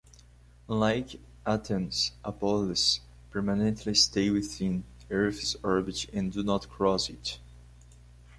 Unlike Atens, Apoheles permanently stay within Earth's orbit and do not cross it.